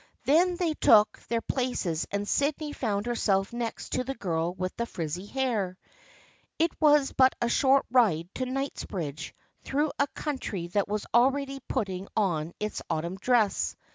Then they took their places and Sydney found herself next to the girl with the frizzy hair. It was but a short ride to Kingsbridge through a country that was already putting on its autumn dress.